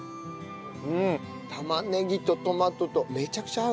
玉ねぎとトマトとめちゃくちゃ合うな。